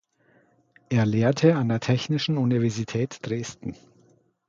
Er lehrte an der Technischen Universität Dresden.